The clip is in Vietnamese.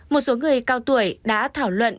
một số người cao tuổi đã thảo luận